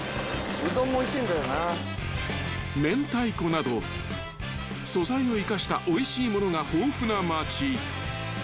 ［など素材を生かしたおいしい物が豊富な町］